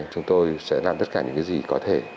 chúng tôi sẽ làm tất cả những cái gì có thể